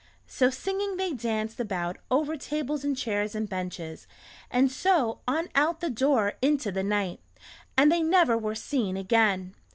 So singing they danced about over tables and chairs and benches and so on out the door into the night, and they never were seen again.